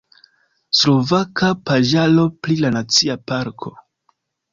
Slovaka paĝaro pri la nacia parko.